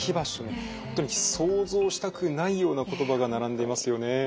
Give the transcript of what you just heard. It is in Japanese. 本当に想像したくないような言葉が並んでいますよね。